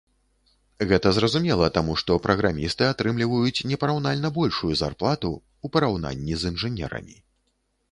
Гэта зразумела, таму што праграмісты атрымліваюць непараўнальна большую зарплату, у параўнанні з інжынерамі.